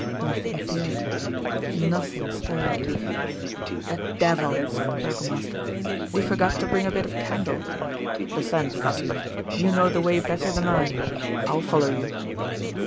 Nothing appeared nothing stirred. "The devil!" said the burgomaster, "we forgot to bring a bit of candle. Descend, Kasper, you know the way better than I I'll follow you."